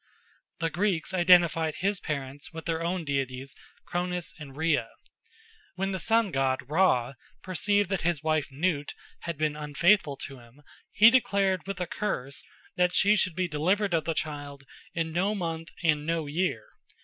The Greeks identified his parents with their own deities Cronus and Rhea. When the sun god Ra perceived that his wife Nut had been unfaithful to him, he declared with a curse that she should be delivered of the child in no month and no year.